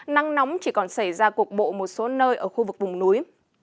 nắng nóng chỉ còn xảy ra cuộc bộ một số nơi ở khu vực vùng núi